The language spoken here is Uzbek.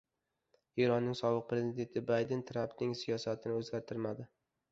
Eronning sobiq prezidenti: "Bayden "Trampning siyosati"ni o‘zgartirmadi"